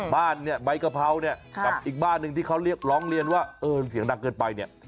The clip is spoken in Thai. บ้านเนี่ยใบกะเพราเนี่ยกับอีกบ้านหนึ่งที่เขาเรียกร้องเรียนว่าเออเสียงดังเกินไปเนี่ย